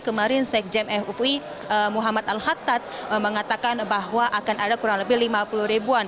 kemarin sekjen fui muhammad al khattad mengatakan bahwa akan ada kurang lebih lima puluh ribuan